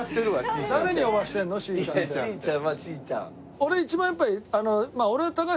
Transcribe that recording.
俺一番やっぱり。